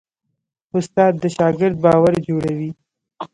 استاد د شاګرد باور جوړوي.